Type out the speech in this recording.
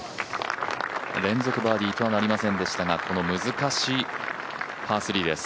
連続バーディーとはなりませんでしたがこの難しいパー３です。